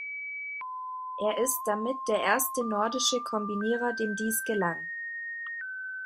Er ist damit der erste Nordische Kombinierer dem dies gelang.